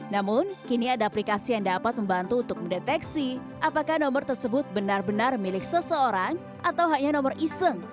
namun kini ada aplikasi yang dapat membantu untuk mendeteksi apakah nomor tersebut benar benar milik seseorang atau hanya nomor iseng